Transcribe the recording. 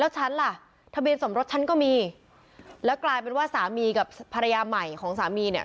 ฉันล่ะทะเบียนสมรสฉันก็มีแล้วกลายเป็นว่าสามีกับภรรยาใหม่ของสามีเนี่ย